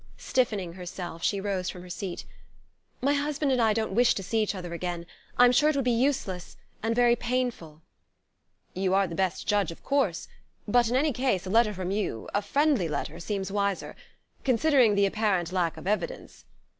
Stiffening herself, she rose from her seat. "My husband and I don't wish to see each other again.... I'm sure it would be useless... and very painful." "You are the best judge, of course. But in any case, a letter from you, a friendly letter, seems wiser... considering the apparent lack of evidence...."